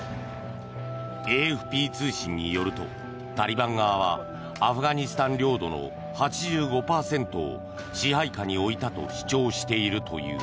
ＡＦＰ通信によるとタリバン側はアフガニスタン領土の８５％を支配下に置いたと主張している。